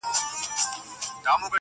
اوس به دې خپل وي آینده به ستا وي-